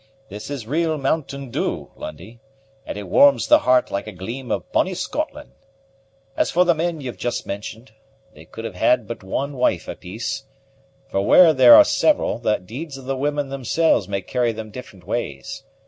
This is real mountain dew, Lundie, and it warms the heart like a gleam of bonnie Scotland. As for the men you've just mentioned, they could have had but one wife a piece; for where there are several, the deeds of the women themselves may carry them different ways.